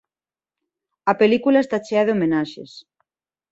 A película está chea de homenaxes.